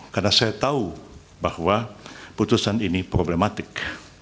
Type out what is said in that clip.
karena saya tahu bahwa putusan ini problematik